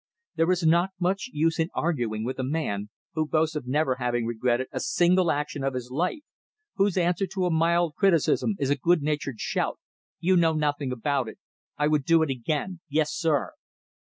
There is not much use in arguing with a man who boasts of never having regretted a single action of his life, whose answer to a mild criticism is a good natured shout "You know nothing about it. I would do it again. Yes, sir!"